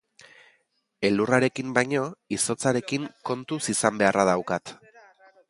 Elurrarekin baino, izotzarekin kontuz izan beharra daukat.